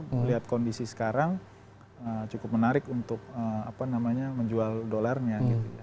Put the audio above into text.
melihat kondisi sekarang cukup menarik untuk menjual dolarnya